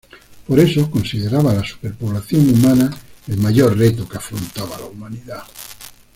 Por eso consideraba la superpoblación humana el mayor reto que afrontaba la humanidad.